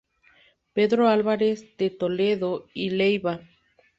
Pedro Álvarez de Toledo y Leiva.